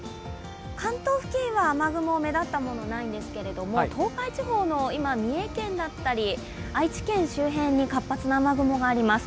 関東付近は雨雲、目立ったものはないですけれども東海地方の三重県だったり、愛知県周辺に活発な雨雲があります。